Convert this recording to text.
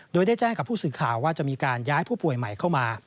โดยได้แจ้งกับผู้สื่อข่าวว่าจะมีการย้ายผู้ป่วยใหม่เข้ามา